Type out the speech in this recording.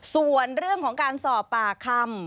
ส่วนเรื่องของการสอบปากคำ